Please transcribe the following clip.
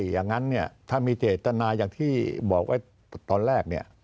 อย่างนั้นถ้ามีเจตนาอย่างที่บอกไว้ตอนแรก